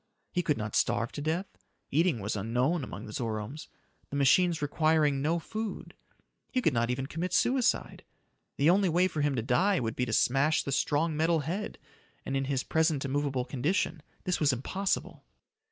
He could not starve to death; eating was unknown among the Zoromes, the machines requiring no food. He could not even commit suicide. The only way for him to die would be to smash the strong metal head, and in his present immovable condition, this was impossible.